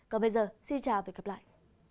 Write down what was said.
còn bây giờ xin chào và hẹn gặp lại